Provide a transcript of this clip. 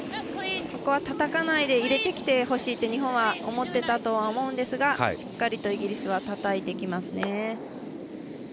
ここは、たたかないで入れてきてほしいって日本は思っていたとは思いますがしっかりイギリスはたたいてきますね。